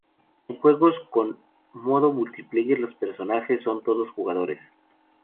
En juegos con modo multiplayer, los personajes son todos jugadores.